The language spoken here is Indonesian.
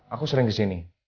aku sering kesini